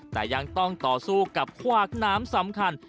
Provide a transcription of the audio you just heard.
แต่ยังต้องต่อสู้กับขวากน้ำสำคัญ